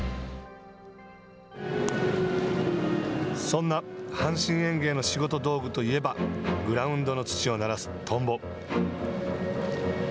そんな阪神園芸の仕事道具といえばグラウンドの土をならすとんぼ。